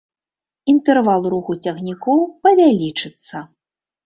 Інтэрвал руху цягнікоў павялічыцца.